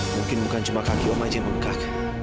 mungkin bukan cuma kaki om aja yang bengkak